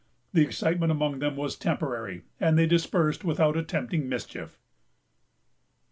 The excitement among them was temporary, and they dispersed without attempting mischief.